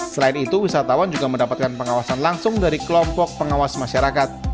selain itu wisatawan juga mendapatkan pengawasan langsung dari kelompok pengawas masyarakat